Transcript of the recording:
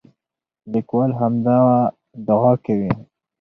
لیکوال همدا دعا کوي.